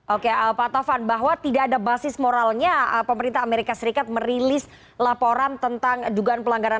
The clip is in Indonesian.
oke pak tovan bahwa tidak ada basis moralnya pemerintah amerika serikat merilis laporan tentang dugaan pelanggaran